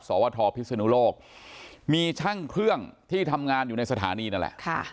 สวทพิศนุโลกมีช่างเครื่องที่ทำงานอยู่ในสถานีนั่นแหละ